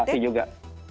terima kasih juga